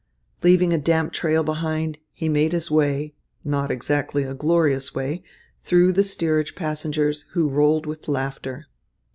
Leaving a damp trail behind, he made his way, not exactly a glorious way, through the steerage passengers, who rolled with laughter.